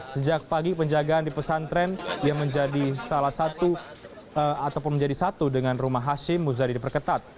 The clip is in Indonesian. sejak pagi penjagaan di pesantren yang menjadi salah satu ataupun menjadi satu dengan rumah hashim muzadi diperketat